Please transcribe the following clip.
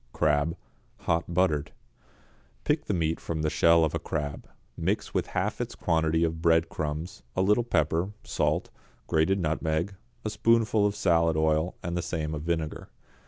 =Crab, Hot Buttered.= Pick the meat from the shell of a crab, mix with half its quantity of breadcrumbs, a little pepper, salt, grated nutmeg, a spoonful of salad oil and the same of vinegar.